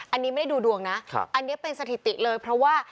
อันนี้ไม่ได้ดูดวงนะอันนี้เป็นสถิติเลยเพราะว่า